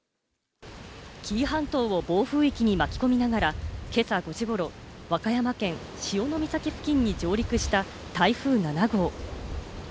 紀伊半島を暴風域に巻き込みながら今朝５時ごろ、和歌山県潮岬付近に上陸した台風７号。